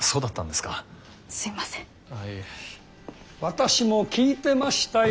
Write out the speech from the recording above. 私も聞いてましたよ。